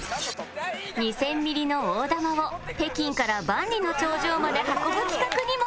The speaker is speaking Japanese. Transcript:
２０００ミリの大玉を北京から万里の長城まで運ぶ企画にも挑戦